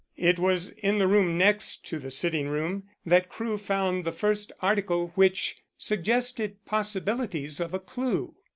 It was in the room next to the sitting room that Crewe found the first article which suggested possibilities of a clue.